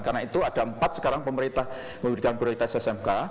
karena itu ada empat sekarang pemerintah memberikan prioritas smk